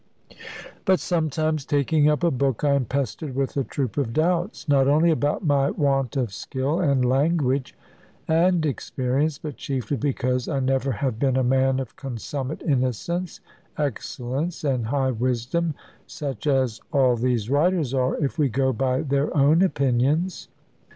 But sometimes, taking up a book, I am pestered with a troop of doubts; not only about my want of skill, and language, and experience, but chiefly because I never have been a man of consummate innocence, excellence, and high wisdom, such as all these writers are, if we go by their own opinions.